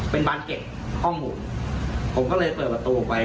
เป็นบานเก็บห้องผมผมก็เลยเปิดประตูออกไป